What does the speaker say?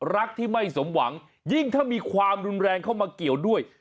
รักที่ไม่สมหวังยิ่งถ้ามีความรุนแรงเข้ามาเกี่ยวด้วย